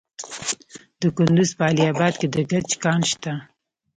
د کندز په علي اباد کې د ګچ کان شته.